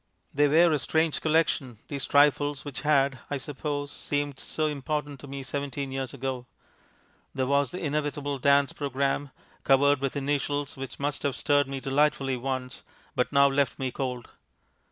They were a strange collection, these trifles which had (I suppose) seemed so important to me seventeen years ago. There was the inevitable dance programme, covered with initials which must have stirred me delightfully once, but now left me cold.